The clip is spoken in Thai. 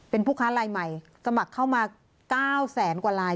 เป็นผู้ค้าลายใหม่สมัครเข้ามา๙แสนกว่าลาย